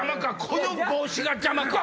この帽子が邪魔か。